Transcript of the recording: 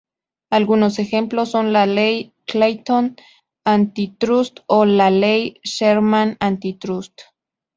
Algunos ejemplos son la ley Clayton Antitrust o la ley Sherman Antitrust.